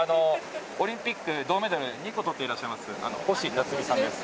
オリンピック銅メダル２個とっていらっしゃいます星奈津美さんです。